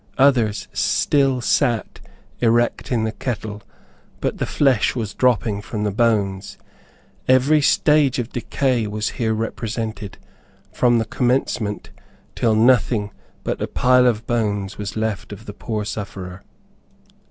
Others still sat erect in the kettle, but the flesh was dropping from the bones. Every stage of decay was here represented, from the commencement, till nothing but a pile of bones was left of the poor sufferer.